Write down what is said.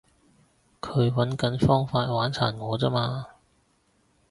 佢搵緊方法玩殘我咋嘛